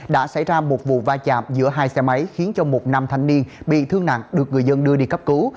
đã xảy ra một vụ va chạm giữa hai xe máy khiến cho một nam thanh niên bị thương nặng được người dân đưa đi cấp cứu